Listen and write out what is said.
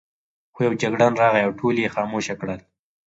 خو یو جګړن راغی او ټول یې خاموشه کړل.